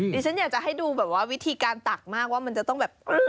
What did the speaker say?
ดิฉันอยากจะให้ดูแบบว่าวิธีการตักมากว่ามันจะต้องแบบ